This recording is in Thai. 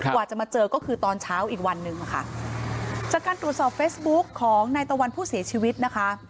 กว่าจะมาเจอก็คือตอนเช้าอีกวันหนึ่งค่ะจากการตรวจสอบเฟซบุ๊กของนายตะวันผู้เสียชีวิตนะคะ